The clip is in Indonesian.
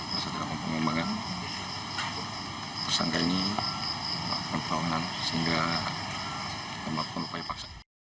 saat dilakukan pengembangan tersangka ini melakukan pelawanan sehingga kita melakukan lupanya paksa